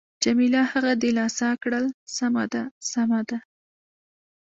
جميله هغه دلاسا کړل: سمه ده، سمه ده.